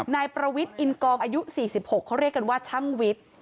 นายประวิทย์อินกองอายุ๔๖เขาเรียกกันว่าช่างวิทย์